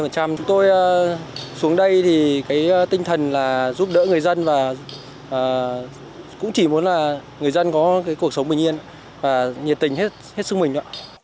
chúng tôi xuống đây thì cái tinh thần là giúp đỡ người dân và cũng chỉ muốn là người dân có cái cuộc sống bình yên và nhiệt tình hết sức mình đó